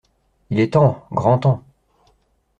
Il est temps,. grand temps !…